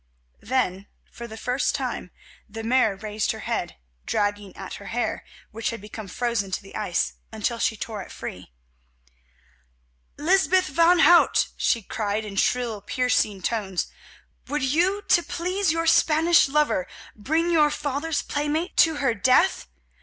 Then, for the first time, the Mare raised her head, dragging at her hair, which had become frozen to the ice, until she tore it free. "Lysbeth van Hout," she cried in shrill, piercing tones, "would you, to please your Spanish lover, bring your father's playmate to her death?